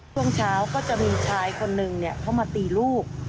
ช่วงเช้าก็จะมีชายคนนึงเข้ามาตีลูก